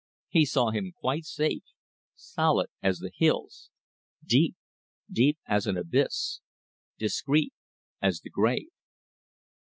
He saw him quite safe; solid as the hills; deep deep as an abyss; discreet as the grave.